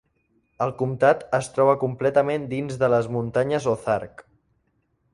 El comtat es troba completament dins de les muntanyes Ozark.